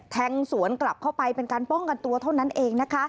แทงสวนกลับเข้าไปเป็นการป้องกันตัวเท่านั้นเองนะคะ